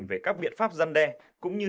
về các biện pháp dân đe cũng như